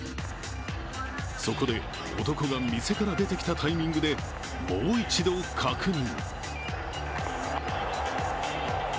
そこで、男が店から出てきたタイミングでもう一度確認。